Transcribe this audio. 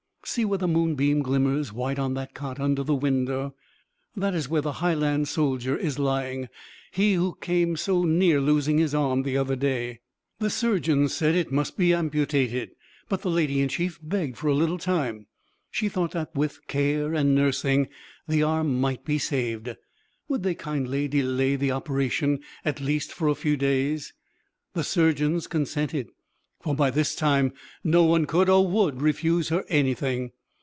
See where the moonbeam glimmers white on that cot under the window! That is where the Highland soldier is lying, he who came so near losing his arm the other day. The surgeons said it must be amputated, but the Lady in Chief begged for a little time. She thought that with care and nursing the arm might be saved; would they kindly delay the operation at least for a few days? The surgeons consented, for by this time no one could or would refuse her anything.